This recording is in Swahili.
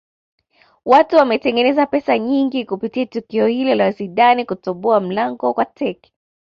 watu wametengeneza pesa nyingi kupitia tukio la zidane kutoboa mlango kwa teke